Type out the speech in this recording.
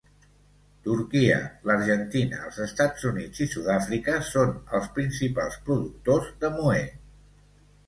Turquia, l'Argentina, els Estats Units i Sud-àfrica són els principals productors de moher.